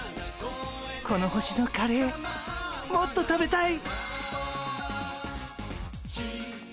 この星のカレーもっと食べたい。